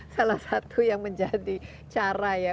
salah satu yang menjadi cara ya